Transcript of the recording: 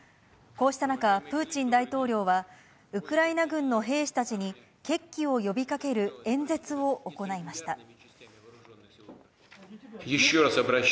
こうした中、プーチン大統領はウクライナ軍の兵士たちに決起を呼びかける演説を行いました。